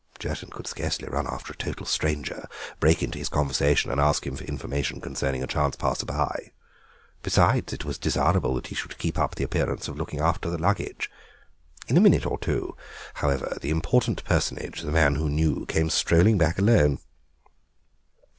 Jerton could scarcely run after a total stranger, break into his conversation, and ask him for information concerning a chance passer by. Besides, it was desirable that he should keep up the appearance of looking after the luggage. In a minute or two, however, the important personage, the man who knew, came strolling back alone.